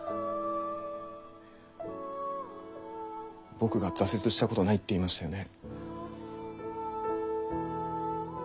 僕が挫折したことないって言いましたよね。